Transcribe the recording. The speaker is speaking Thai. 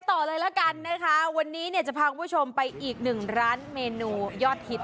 ต่อเลยละกันนะคะวันนี้เนี่ยจะพาคุณผู้ชมไปอีกหนึ่งร้านเมนูยอดฮิต